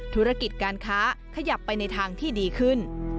ธุรกิจการค้าขยับไปในทางที่ดีขึ้น